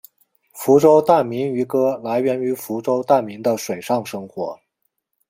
福州疍民渔歌来源于福州疍民的水上生活。